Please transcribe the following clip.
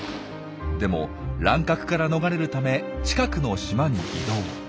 でも乱獲から逃れるため近くの島に移動。